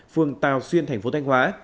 phương tàu xuyên thành phố thanh hóa